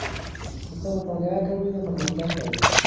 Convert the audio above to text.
که ته مطالعه کوې نو پرمختګ کوې.